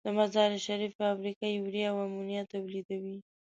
د مزارشریف فابریکه یوریا او امونیا تولیدوي.